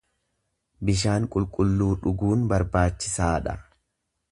Bishaan qulqulluu dhuguun barbaachisaa dha.